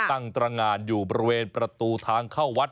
ตั้งตรงานอยู่บริเวณประตูทางเข้าวัด